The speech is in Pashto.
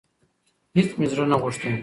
هيڅ مي زړه نه غوښتی .